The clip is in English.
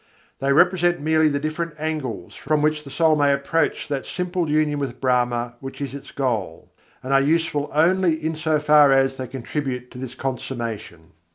They represent merely the different angles from which the soul may approach that simple union with Brahma which is its goal; and are useful only in so faras they contribute to this consummation.